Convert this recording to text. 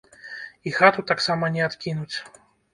І хату таксама не адкінуць.